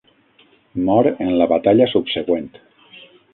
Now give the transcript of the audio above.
Mor en la batalla subsegüent.